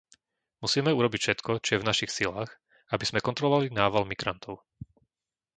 Musíme urobiť všetko, čo je v našich silách, aby sme kontrolovali nával migrantov.